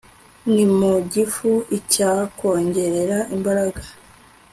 ni mugifu icyakongerera imbaraga